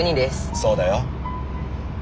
そうだよ。